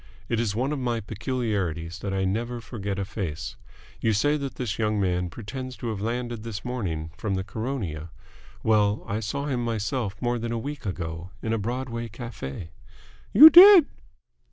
It is one of my peculiarities that I never forget a face. You say that this young man pretends to have landed this morning from the Caronia? Well, I saw him myself more than a week ago in a Broadway cafe." "You did?"